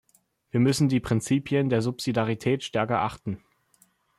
Wir müssen die Prinzipien der Subsidiarität stärker achten.